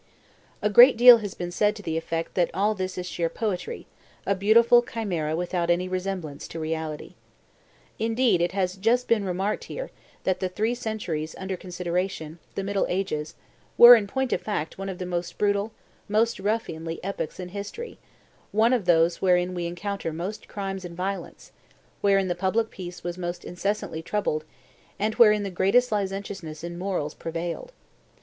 A great deal has been said to the effect that all this is sheer poetry, a beautiful chimera without any resemblance to reality. Indeed, it has just been remarked here, that the three centuries under consideration, the middle ages, were, in point of fact, one of the most brutal, most ruffianly epochs in history, one of those wherein we encounter most crimes and violence; wherein the public peace was most incessantly troubled; and wherein the greatest licentiousness in morals prevailed.